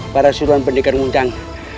para suruhan pendekar ngundang